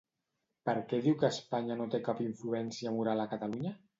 Per què diu que Espanya no té cap influència moral a Catalunya?